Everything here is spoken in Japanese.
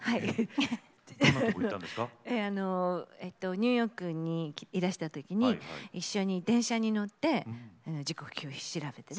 ニューヨークにいらした時に一緒に電車に乗って時刻表調べてね。